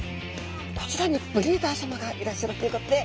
こちらにブリーダーさまがいらっしゃるということで。